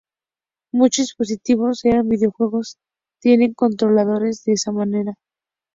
Muchos dispositivos para videojuegos tienen controladores de esta manera.